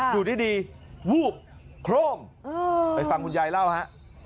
อยู่ดีวูบโคร่มไปฟังคุณยายเล่าฮะ